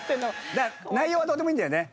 だから内容はどうでもいいんだよね。